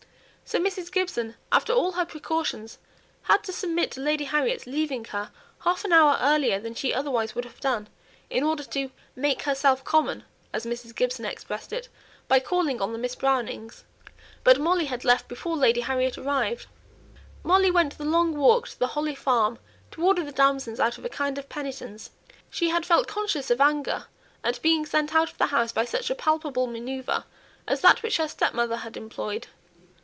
So Mrs. Gibson, after all her precautions, had to submit to Lady Harriet's leaving her half an hour earlier than she otherwise would have done in order to "make herself common" (as Mrs. Gibson expressed it) by calling on the Miss Brownings. But Molly had left before Lady Harriet arrived. Molly went the long walk to the Holly Farm, to order the damsons, out of a kind of penitence. She had felt conscious of anger at being sent out of the house by such a palpable manoeuvre as that which her stepmother had employed.